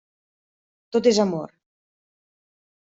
Tot és amor.